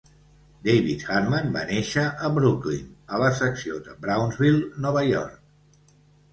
David Hartman va néixer a Brooklyn, a la secció de Brownsville, Nova York.